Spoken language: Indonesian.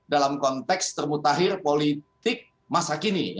dalam konteks termutahir politik masa kini